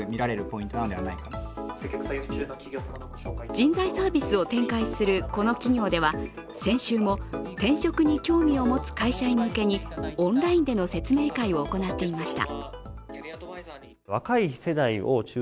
人材サービスを展開するこの企業では、先週も転職に興味を持つ会社員向けにオンラインでの説明会を行っていました。